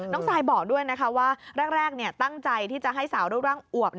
น้องไซด์บอกด้วยว่าแรกตั้งใจที่จะให้สาวรูปร่างอวบ